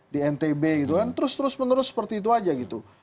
di ntb gitu kan terus terus menerus seperti itu aja gitu